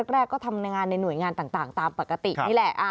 แรกก็ทำงานในหน่วยงานต่างตามปกตินี่แหละ